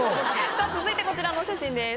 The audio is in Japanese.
さぁ続いてこちらのお写真です。